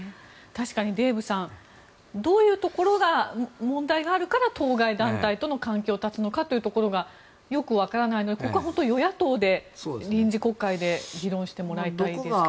確かにデーブさんどういうところが問題があるから当該団体との関係を断つのかというところがよくわからないのでここは本当に与野党で臨時国会で議論してもらいたいですが。